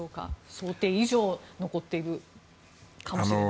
想定以上残っているかもしれないと。